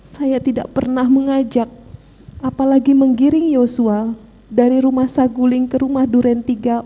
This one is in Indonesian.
saya tidak pernah mengajak apalagi menggiring yosua dari rumah saguling ke rumah duren tiga ratus empat puluh enam